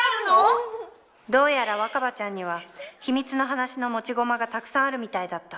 どうやら若葉ちゃんには秘密の話の持ち駒がたくさんあるみたいだった。